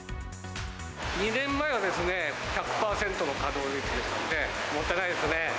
２年前は、１００％の稼働率でしたので、もったいないですね。